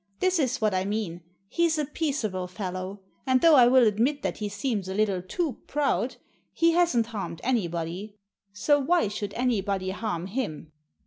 This is what I mean: He's a peaceable fellow. And though I will admit that he seems a little too proud, he hasn't harmed anybody. So why should anybody harm him?"